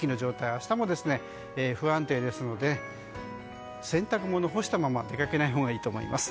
明日も不安定ですので洗濯物を干したまま出かけないほうがいいと思います。